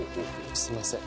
すいません。